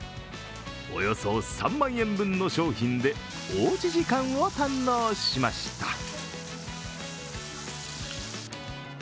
およそ３万円分の商品でおうち時間を堪能しました。